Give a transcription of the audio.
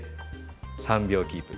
３秒キープ。